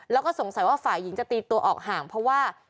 แล้วก็สงสัยว่าฝ่ายหญิงจะตีตัวออกห่างเพราะว่า